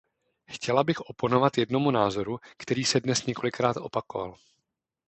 Chtěla bych oponovat jednomu názoru, který se dnes několikrát opakoval.